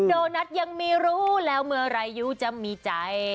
โดนัทยังไม่รู้แล้วเมื่อไหร่ยูจะมีใจ